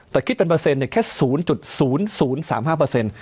แต่คิดเป็นเปอร์เซ็นต์เนี่ยแค่๐๐๐๓๕